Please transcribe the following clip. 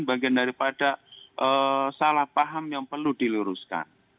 ini bagian dari salah paham yang perlu diluruskan